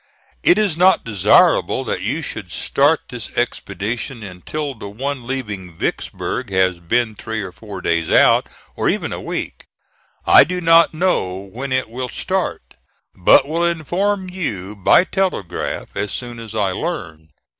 It is not desirable that you should start this expedition until the one leaving Vicksburg has been three or four days out, or even a week. I do not know when it will start, but will inform you by telegraph as soon as I learn.